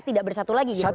tidak bersatu lagi